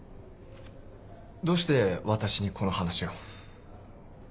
どうして私にこの話を？